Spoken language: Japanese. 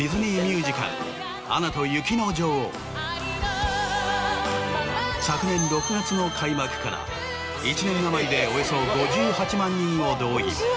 ありのままの昨年６月の開幕から１年余りでおよそ５８万人を動員。